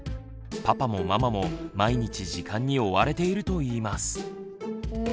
パパもママも毎日時間に追われているといいます。